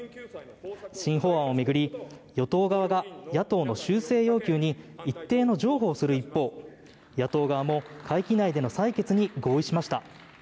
新法案を巡り与党側が野党の修正要求に一定の譲歩をする一方野党側も会期内での採決に合意しました。